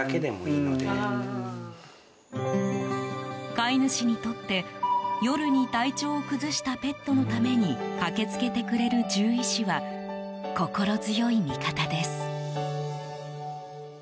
飼い主にとって夜に体調を崩したペットのために駆けつけてくれる獣医師は心強い味方です。